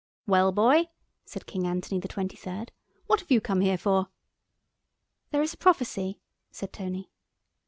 "Well, boy," said King Anthony XXIII., "what have you come here for?" "There is a prophecy," said Tony.